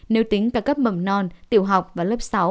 nếu tính cả cấp mầm non tiểu học và lớp sáu